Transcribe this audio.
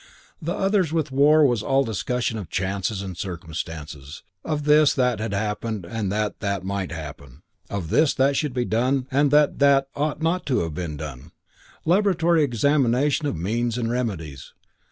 With others the war was all discussion of chances and circumstances, of this that had happened and that that might happen, of this that should be done and that that ought not to have been done. Laboratory examination of means and remedies.